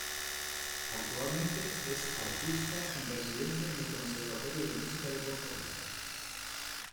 Actualmente es artista en residencia en el Conservatorio de Música de Puerto Rico.